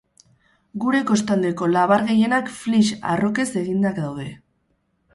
Gure kostaldeko labar gehienak flysch arrokez eginak daude.